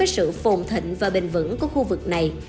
với sự phồn thịnh và bình vững của khu vực này